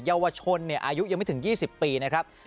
เยาวชนอายุยังไม่ถึง๒๐ปีนะครับ